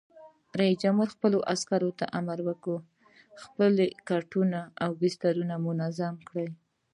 رئیس جمهور خپلو عسکرو ته امر وکړ؛ خپل کټونه او بسترې منظم کړئ!